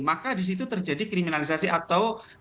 maka disitu terjadi kriminalisasi atau